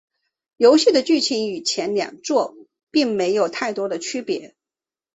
游戏的剧情与前两作并没有太多区别。